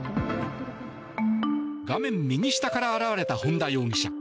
画面右下から現れた本田容疑者。